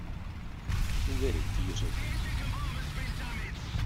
Vy rytíři!